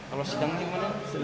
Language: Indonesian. kalau sidangnya gimana